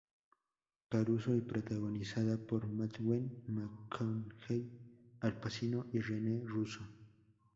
Caruso y protagonizada por Matthew McConaughey, Al Pacino y Rene Russo.